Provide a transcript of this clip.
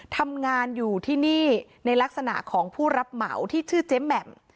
ทำงานอยู่ที่นี่ในลักษณะของผู้รับเหมาที่ชื่อเจ๊แหม่ม